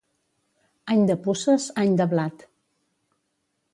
Any de puces, any de blat.